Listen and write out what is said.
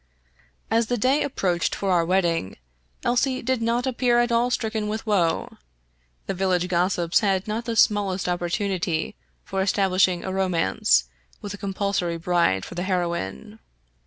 As the day approached for our wedding Elsie did not appear at all stricken with woe. The village gossips had not the smallest opportunity for establishing a romance, with a compulsory bride for the heroine.